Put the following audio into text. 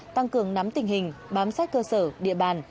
tăng cường nắm tình hình bám sát cơ sở địa bàn